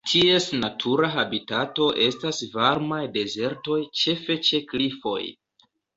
Ties natura habitato estas varmaj dezertoj ĉefe ĉe klifoj.